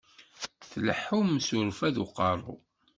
Tleḥḥum s urfad n uqerru.